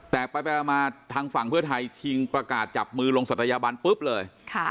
แต่ไปมาทางฝั่งเพื่อไทยชิงประกาศจับมือลงศัตยาบันปุ๊บเลย